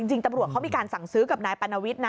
จริงตำรวจเขามีการสั่งซื้อกับนายปรณวิทย์นะ